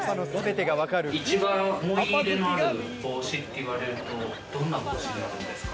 一番思い入れのある帽子と言われると、どんな帽子ですか？